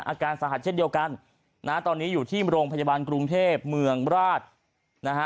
อาการสาหัสเช่นเดียวกันนะฮะตอนนี้อยู่ที่โรงพยาบาลกรุงเทพเมืองราชนะฮะ